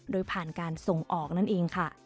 โดยผ่านการส่งออกนั่นเองค่ะ